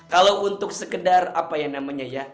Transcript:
kalau untuk sekedar apa ya namanya ya